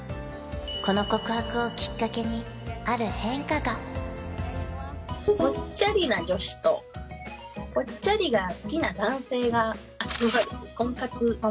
この告白をきっかけにある変化がぽっちゃりな女子とぽっちゃりが好きな男性が集まる婚活まあ